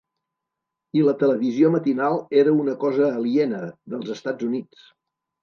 I la televisió matinal era una cosa aliena, dels Estats Units.